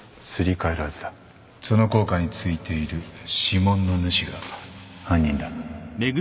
その硬貨についている指紋の主が犯人だ